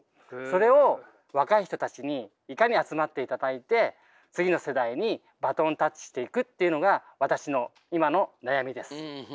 それを若い人たちにいかに集まっていただいて次の世代にバトンタッチしていくっていうのが私の今の悩みです。